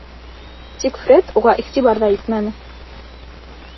Тик Фред уға иғтибар ҙа итмәне.